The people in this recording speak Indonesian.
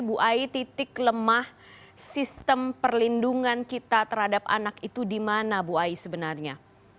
bu ai titik lemah sistem perlindungan kita terhadap anak itu di mana bu ai sebenarnya